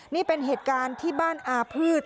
นี่เป็นเหตุการณ์ที่บ้านอาพืช